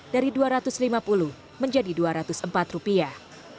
dari dua ratus lima puluh menjadi dua ratus empat rupiah